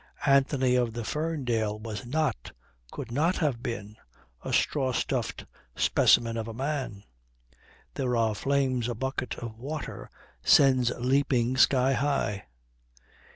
Anthony of the Ferndale was not, could not have been, a straw stuffed specimen of a man. There are flames a bucket of water sends leaping sky high.